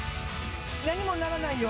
何もならないよ。